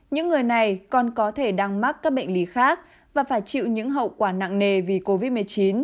những người này còn có thể đang mắc các bệnh lý khác và phải chịu những hậu quả nặng nề vì covid một mươi chín